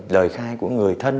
lời khai của người thân